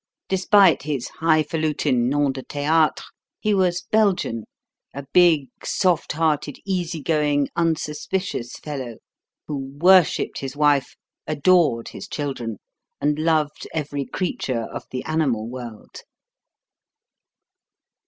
Despite his high falutin' nom de théâtre, he was Belgian a big, soft hearted, easy going, unsuspicious fellow, who worshipped his wife, adored his children, and loved every creature of the animal world.